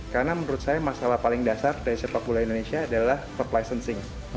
karena menurut saya masalah paling dasar dari sepak bola indonesia adalah club licensing